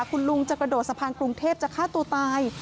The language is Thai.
คุณลุงจะกระโดดสะพานกรุงเทพจะฆ่าตัวตาย